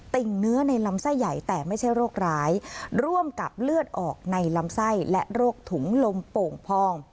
่งเนื้อในลำไส้ใหญ่แต่ไม่ใช่โรคร้ายร่วมกับเลือดออกในลำไส้และโรคถุงลมโป่งพอง